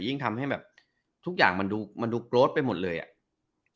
ยิ่งทำให้แบบทุกอย่างมันดูมันดูโกรธไปหมดเลยอ่ะ